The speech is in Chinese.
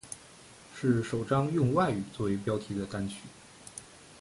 是首张用外语作为标题的单曲。